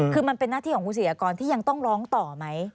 คือมันเป็นหน้าที่ของคุณศิยากรที่ยังต้องร้องต่อไหม